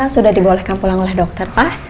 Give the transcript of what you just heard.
sudah di boleh pulang oleh dokter pak